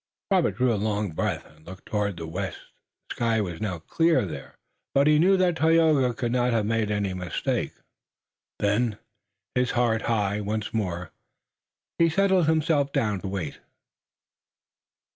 Robert drew a long breath and looked toward the west. The sky was now clear there, but he knew that Tayoga could not have made any mistake. Then, his heart high once more, he settled himself down to wait.